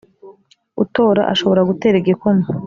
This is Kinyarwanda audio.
utora ashobora gutera igikumwe